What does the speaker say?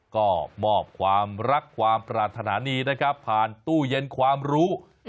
ก็มอบความรักความปรารถนาดีนะครับผ่านตู้เย็นความรู้